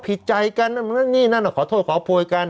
ผิดใจกันนี่นั่นขอโทษขอโพยกัน